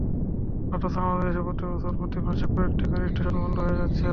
অথচ আমাদের দেশে প্রতিবছর প্রতি মাসে কয়েকটি করে স্টেশন বন্ধ হয়ে যাচ্ছে।